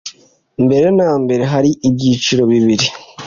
Mbere na mbere hari ibyiciro bibiri